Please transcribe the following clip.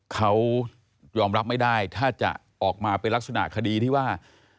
เขายอมรับไม่ได้ถ้าจะออกมาเป็นลักษณะคดีที่ว่า